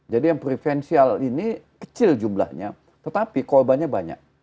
jadi yang preferensial ini kecil jumlahnya tetapi korbannya banyak